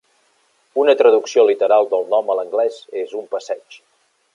Una traducció literal del nom a l'anglès és "un passeig".